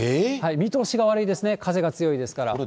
見通しが悪いですね、風が強いですから。